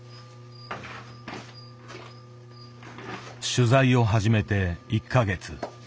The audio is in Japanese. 取材を始めて１か月。